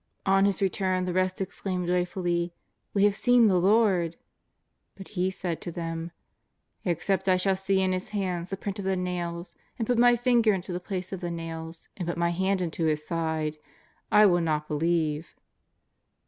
On his return the rest exclaimed joy fully: *' We have seen the Lord !" But he said to them: ''Except I shall see in Hi( hands the print of the nails, and put my finger into the place of the nails, and put my hand into His side, I will not believe."